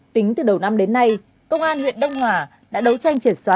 tính từ đầu năm đến nay công an huyện đông hòa đã đấu tranh triệt xóa